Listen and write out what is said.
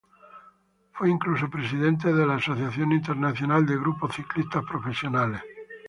Fue incluso presidente de la Asociación Internacional de Grupos Ciclistas Profesionales.